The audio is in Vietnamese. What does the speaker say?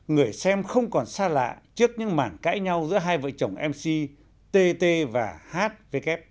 người xem không còn xa lạ trước những mảng cãi nhau giữa hai vợ chồng mc tt và hvk